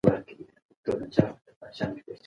اوس که زما منۍ